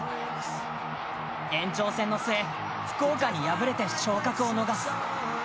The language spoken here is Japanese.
延長戦の末、福岡に敗れて昇格を逃す。